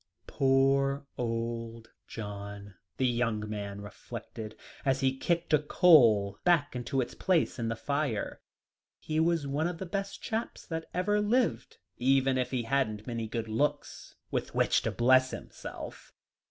"Poor old John," the young man reflected, as he kicked a coal back into its place in the fire; "he was one of the best chaps that ever lived even if he hadn't many good looks with which to bless himself."